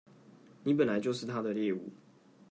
你本來就是他的獵物